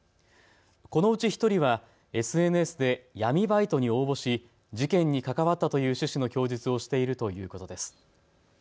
このうち１人はＳＮＳで闇バイトに応募し事件に関わったという趣旨の供述をしているということです。